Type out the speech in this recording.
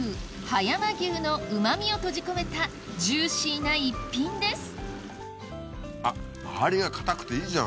葉山牛のうまみを閉じ込めたジューシーな逸品です